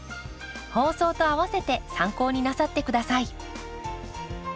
放送とあわせて参考になさって下さい。